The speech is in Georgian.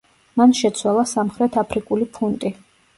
მან შეცვალა სამხრეთ აფრიკული ფუნტი.